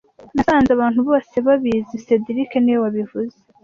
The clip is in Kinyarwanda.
Nasanze abantu bose babizi cedric niwe wabivuze